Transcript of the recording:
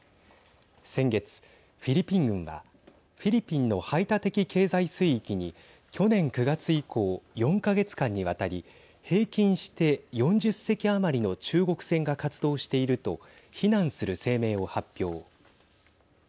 先月、フィリピン軍はフィリピンの排他的経済水域に去年９月以降４か月間にわたり平均して４０隻余りの中国船が活動していると非難する声明を発表。